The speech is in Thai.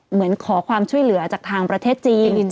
เหมือนขอความช่วยเหลือจากทางประเทศจีน